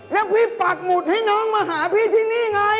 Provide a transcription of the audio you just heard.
แล้วพี่ปักหมุดให้น้องมาหาพี่ที่นี่ไง